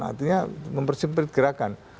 artinya mempersempit gerakan